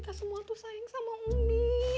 kita semua tuh sayang sama umi